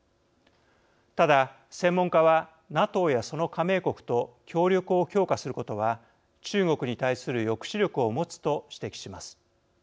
ただ専門家はＮＡＴＯやその加盟国と協力を強化することは中国に対する抑止力を持つと指摘します。